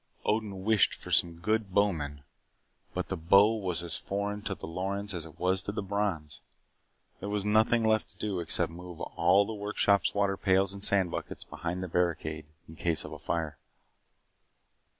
Odin wished for some good bowmen, but the bow was as foreign to the Lorens as it was to the Brons. There was nothing left to do except move all the workshop's water pails and sand buckets behind the barricade in case of fire.